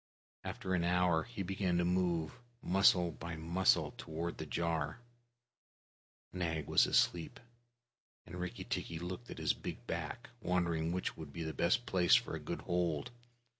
After an hour he began to move, muscle by muscle, toward the jar. Nag was asleep, and Rikki tikki looked at his big back, wondering which would be the best place for a good hold.